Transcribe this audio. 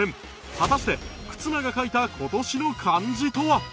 果たして忽那が書いた今年の漢字とは？